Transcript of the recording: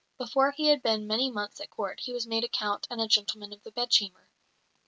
Before he had been many months at Court he was made a Count and Gentleman of the Bedchamber.